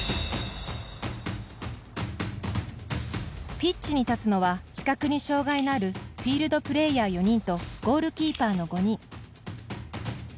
ピッチに立つのは視覚に障がいのあるフィールドプレーヤー４人とゴールキーパーの５人。